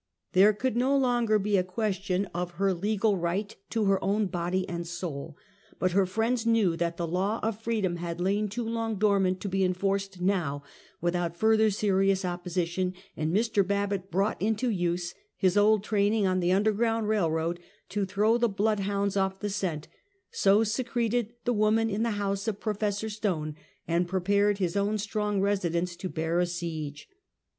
There could no longer be a question of her legal The Minnesota Dictatoe. 175 right to her own body and soul ; but her friends knew that the law of freedom had lain too long dormant to be enforced now Avithout further serious opposition, and Mr. Babbitt brought into use his old training on the underground railroad to throw the blood hounds off the scent, so secreted the woman in the house of Prof. Stone, and prepared his own strong residence to bear a siege.